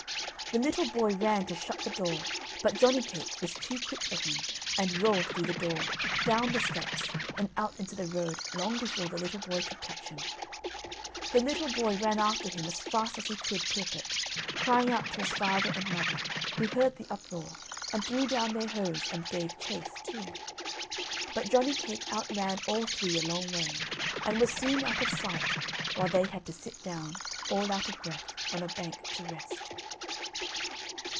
The little boy ran to shut the door, but Johnny cake was too quick for him and rolled through the door, down the steps, and out into the road long before the little boy could catch him. The little boy ran after him as fast as he could clip it, crying out to his father and mother, who heard the uproar, and threw down their hoes and gave chase too. But Johnny cake outran all three a long way, and was soon out of sight, while they had to sit down, all out of breath, on a bank to rest.